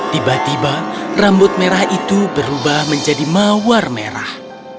tiba tiba rambut merah itu berubah menjadi mawar merah